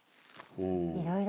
いろいろ。